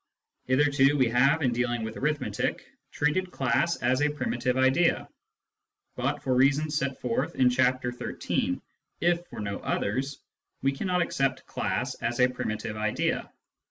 Hitherto we have, in dealing with arithmetic, treated " class " as a primitive idea. But, for the reasons set forth in Chapter XIII., if for no others, we cannot accept " class " as a primitive idea.